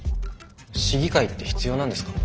市議会って必要なんですか？